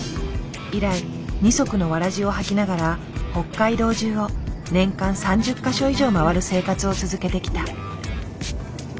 以来二足の草鞋を履きながら北海道じゅうを年間３０か所以上回る生活を続けてきた。